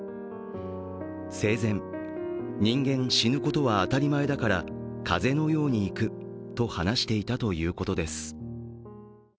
生前、人間、死ぬことは当たり前だから、風のように逝くと話していたということです。